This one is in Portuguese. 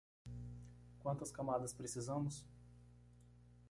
Quantas camadas precisamos?